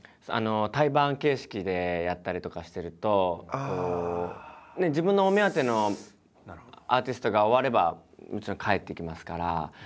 対バン形式でやったりとかしてると自分のお目当てのアーティストが終わればもちろん帰っていきますから。